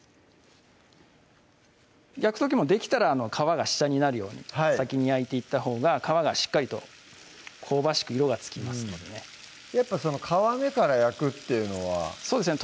焼く時もできたら皮が下になるように先に焼いていったほうが皮がしっかりと香ばしく色がつきますのでねやっぱ皮目から焼くっていうのはそうですね